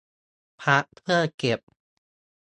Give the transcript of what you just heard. พับเพื่อเก็บ